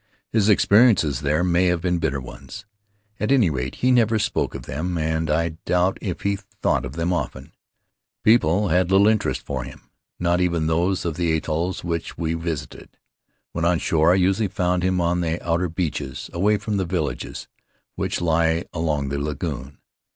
His experiences there may have been bitter ones. At any rate, he never spoke of them, and I doubt if he thought of them often. People had little interest for him, not even those of the atolls which we visited. When on shore I usually found him on the outer beaches, away from the villages which lie along the lagoon.